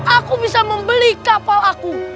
aku bisa membeli kapal aku